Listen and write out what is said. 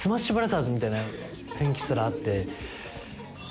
みたいな雰囲気すらあって。